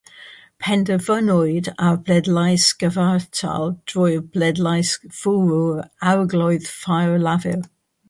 Penderfynwyd ar bleidlais gyfartal drwy bleidlais fwrw'r Arglwydd Faer Llafur.